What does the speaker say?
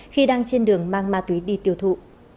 khi đang trên đường mang ma túy đi tiêu thụ